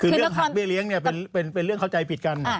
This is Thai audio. คือเรื่องหักเบี้ยเลี้ยงเนี่ยเป็นเรื่องเข้าใจผิดกัน